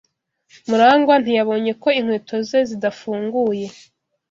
Murangwa ntiyabonye ko inkweto ze zidafunguye.